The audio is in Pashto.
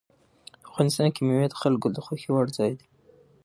افغانستان کې مېوې د خلکو د خوښې وړ ځای دی.